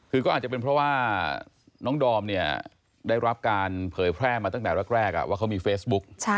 คือก็อาจจะเป็นเพราะว่าน้องดอมเนี่ยได้รับการเผยแพร่มาตั้งแต่แรกว่าเขามีเฟซบุ๊ก